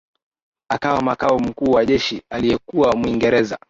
akawa makamu mkuu wa Jeshi aliyekuwa Mwingereza